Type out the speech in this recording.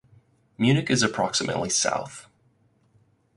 Munich is approximately south.